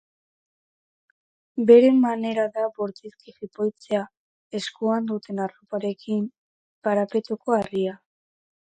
Beren manera da bortizki jipoitzea, eskuan duten arroparekin, parapetoko harria.